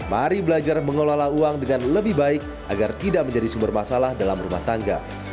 mari belajar mengelola uang dengan lebih baik agar tidak menjadi sumber masalah dalam rumah tangga